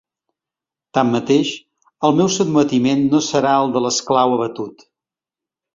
Tanmateix, el meu sotmetiment no serà el de l'esclau abatut.